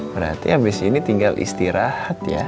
berarti abis ini tinggal istirahat ya